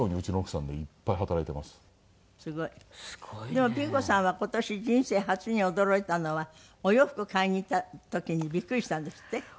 でもピン子さんは今年人生初に驚いたのはお洋服買いに行った時にビックリしたんですって？